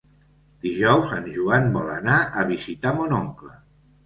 Dijous en Joan vol anar a visitar mon oncle.